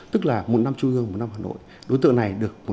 tức là một năm trung ương một năm hà nội đối tượng này được một năm một lần